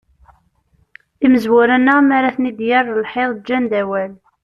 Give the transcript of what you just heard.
Imezwura-nneɣ mara ten-id-yerr lḥiḍ, ǧǧan-d awal.